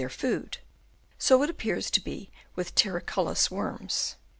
their food, so it appears to be with terricolous worms.